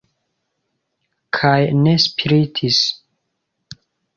Kaj ne spritis.